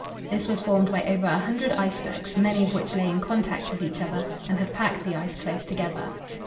This was formed by over a hundred icebergs, many of which lay in contact with each other and had packed the ice close together.